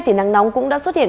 thì nắng nóng cũng đã xuất hiện